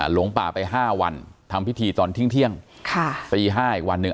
หลงป่าไป๕วันทำพิธีตอนทิ้งปี๕อีกวันหนึ่ง